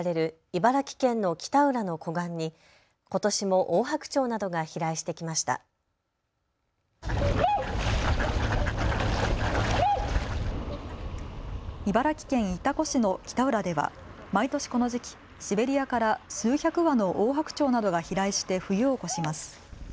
茨城県潮来市の北浦では毎年この時期、シベリアから数百羽のオオハクチョウなどが飛来して冬を越します。